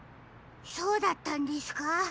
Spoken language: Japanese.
そうだったんですか？